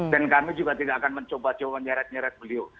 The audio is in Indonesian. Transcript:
dan kami juga tidak akan mencoba nyaret nyaret beliau